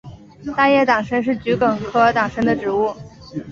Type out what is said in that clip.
大叶党参是桔梗科党参属的植物。